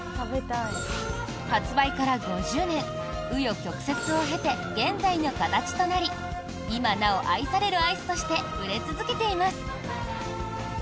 発売から５０年紆余曲折を経て現在の形となり今なお愛されるアイスとして売れ続けています。